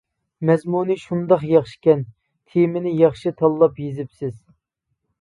مەزمۇنى شۇنداق ياخشىكەن، تېمىنى ياخشى تاللاپ يېزىپسىز.